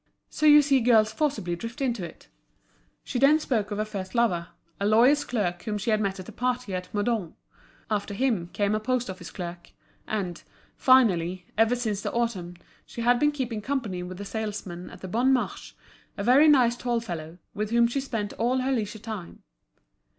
So you see girls forcibly drift into it." She then spoke of her first lover, a lawyer's clerk whom she had met at a party at Meudon. After him, came a post office clerk. And, finally, ever since the autumn, she had been keeping company with a salesman at the Bon Marche, a very nice tall fellow, with whom she spent all her leisure time.